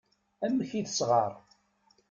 Amek i tesɣar.